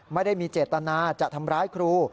ไม่ได้มีเจตนาจะทำร้ายครู